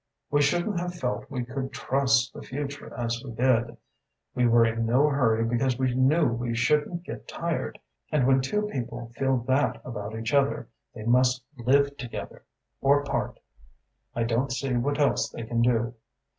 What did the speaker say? We shouldn't have felt we could trust the future as we did. We were in no hurry because we knew we shouldn't get tired; and when two people feel that about each other they must live together or part. I don't see what else they can do.